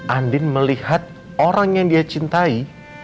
andin melihat orang yang dia cintai